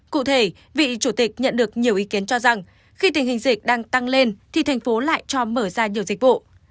cụ thể vị chủ tịch nhận được nhiều ý kiến cho rằng khi tình hình dịch đang tăng lên thì thành phố lại cho mở ra nhiều dịch vụ